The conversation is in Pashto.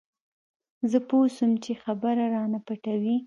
زه پوه سوم چې خبره رانه پټوي.